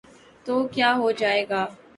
تو کیا ہوجائے گا۔